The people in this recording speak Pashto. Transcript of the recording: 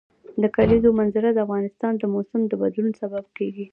د کلیزو منظره د افغانستان د موسم د بدلون سبب کېږي.